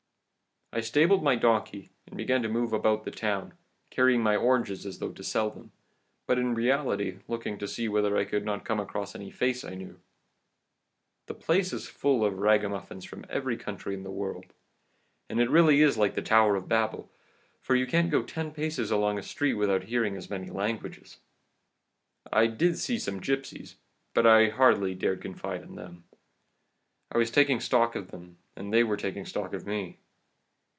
I stabled my donkey, and began to move about the town, carrying my oranges as though to sell them, but in reality looking to see whether I could not come across any face I knew. The place is full of ragamuffins from every country in the world, and it really is like the Tower of Babel, for you can't go ten paces along a street without hearing as many languages. I did see some gipsies, but I hardly dared confide in them. I was taking stock of them, and they were taking stock of me.